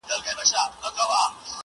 پروفيسر غلام رباني تائب سرائے نورنګ